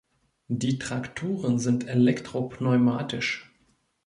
Die Trakturen sind elektro-pneumatisch.